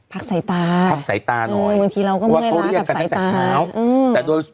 พักใส่ตาพักใส่ตาหน่อยอืมบางทีเราก็เมื่อยลากับใส่ตา